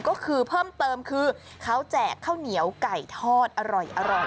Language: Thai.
ก็คือเพิ่มเติมคือเขาแจกข้าวเหนียวไก่ทอดอร่อย